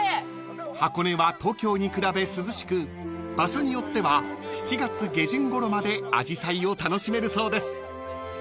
［箱根は東京に比べ涼しく場所によっては７月下旬ごろまであじさいを楽しめるそうです］